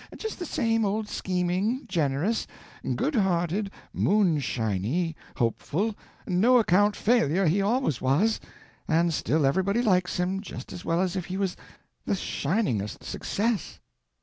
"Just the same old scheming, generous, good hearted, moonshiny, hopeful, no account failure he always was, and still everybody likes him just as well as if he was the shiningest success."